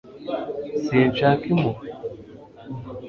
sinshaka impuhwe